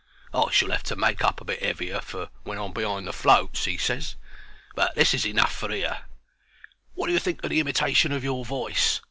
"I shall have to make up a bit 'eavier when I'm behind the floats," he ses; "but this is enough for 'ere. Wot do you think of the imitation of your voice?